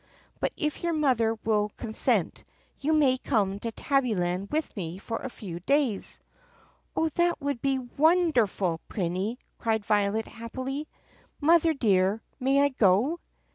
But if your mother will consent, you may come to Tabbyland with me for a few days." "Oh, that would be wonderful, Prinny!" cried Violet happily. "Mother dear, may I go?"